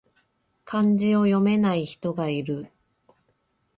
漢字を読めない人がいる